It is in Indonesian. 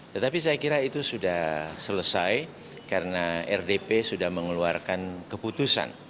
tetapi saya kira itu sudah selesai karena rdp sudah mengeluarkan keputusan